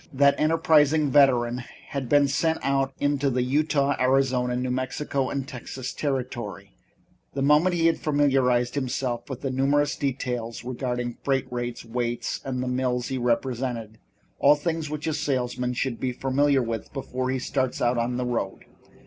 That enterprising veteran had been sent out into the Utah, Arizona, New Mexico and Texas territory the moment he had familiarized himself with the numerous details regarding freight rates, weights and the mills he represented, all things which a salesman should be familiar with before he starts out on the road.